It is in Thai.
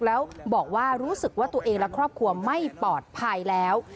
แล้วบอกว่ารู้สึกว่าตัวเองและครอบครัวไม่ปลอดภัยแล้ว